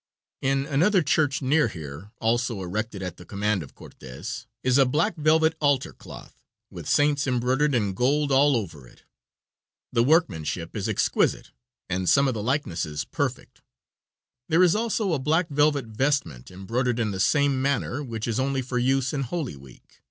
In another church near here, also erected at the command of Cortes, is a black velvet altar cloth, with saints embroidered in gold all over it. The workmanship is exquisite, and some of the likenesses perfect. There is also a black velvet vestment embroidered in the same manner, which is only for use in holy week.